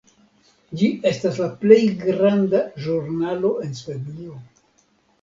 Ĝi estas la plej granda ĵurnalo en Svedio.